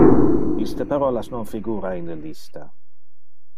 Iste parolas non figura in le lista.